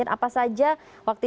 apa saja waktu itu yang anda lakukan